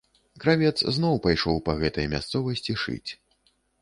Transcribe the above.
Кравец зноў пайшоў па гэтай мясцовасці шыць.